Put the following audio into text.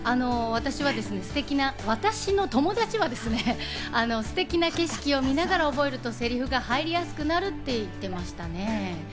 私は私の友達はステキな景色を見ながら覚えるとセリフが入りやすくなると言ってましたね。